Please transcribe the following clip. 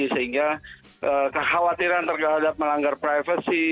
sehingga kekhawatiran terhadap melanggar privasi